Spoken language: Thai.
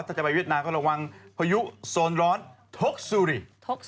ถ้าจะไปเวียดนามก็ระวังพายุโซนร้อนทกสุริ